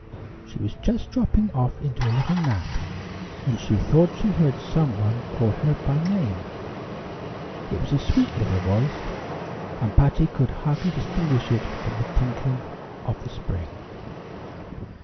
She was just dropping off into a little nap, when she thought she heard some one call her by name. It was a sweet little voice, and Patty could hardly distinguish it from the tinkling of the spring.